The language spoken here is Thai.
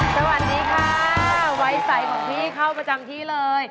สวัสดีค่ะไว้ใสของพี่เข้าประจำที่เลย